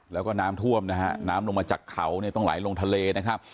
แล้วก็น้ำท่วมนะฮะน้ำลงมาจากเขาเนี่ยต้องไหลลงทะเลนะครับ